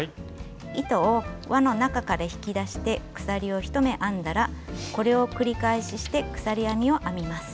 糸を輪の中から引き出して鎖を１目編んだらこれを繰り返しして鎖編みを編みます。